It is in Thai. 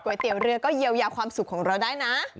เตี๋ยวเรือก็เยียวยาความสุขของเราได้นะ